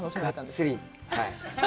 がっつり、はい。